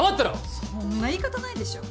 そんな言い方ないでしょ。